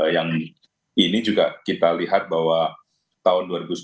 yang ini juga kita lihat bahwa tahun dua ribu sembilan belas